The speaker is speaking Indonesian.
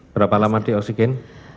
berapa lama di oksigen